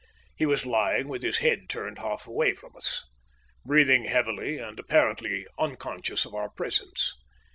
He was lying with his head turned half away from us. Breathing heavily, and apparently unconscious of our presence.